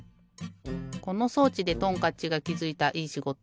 この装置でトンカッチがきづいたいいしごと。